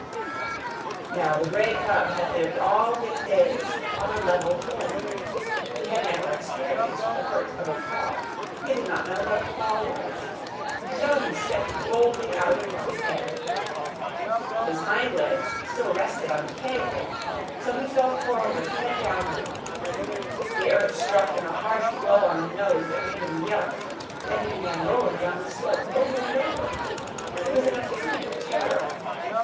Now the grey cub had lived all his days on a level floor. He had never experienced the hurt of a fall. He did not know what a fall was. So he stepped boldly out upon the air. His hind legs still rested on the cave lip, so he fell forward head downward. The earth struck him a harsh blow on the nose that made him yelp. Then he began rolling down the slope, over and over. He was in a panic of terror.